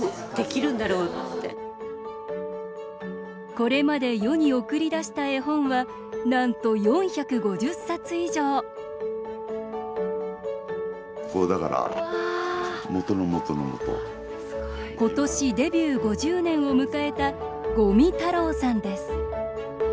これまで世に送り出した絵本はなんと４５０冊以上今年、デビュー５０年を迎えた五味太郎さんです。